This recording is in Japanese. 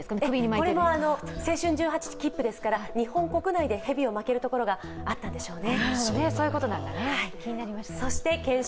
これも青春１８きっぷですから日本国内で蛇を巻けるところがあったんでしょうね。